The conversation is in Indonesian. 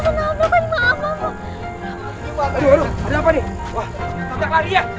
sampai lari ya